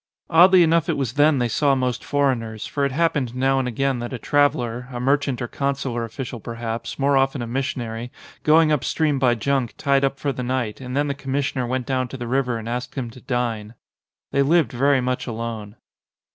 Oddly enough it was then they saw most foreigners, for it happened now and again that a 124 THE MANNINGS traveller, a merchant or consular official perhaps, more often a missionary, going up stream by junk, tied up for the night, and then the commissioner went down to the river and asked him to dine. They lived very much alone.